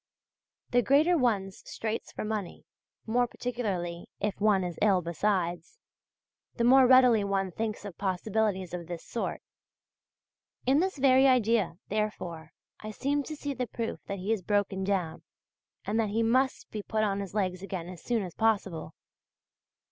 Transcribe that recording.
The greater one's straits for money more particularly if one is ill besides the more readily one thinks of possibilities of this sort. In this very idea, therefore, I seem to see the proof that he is broken down, and that he must be put on his legs again as soon as possible.